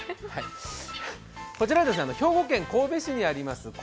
こちら、兵庫県神戸市にあります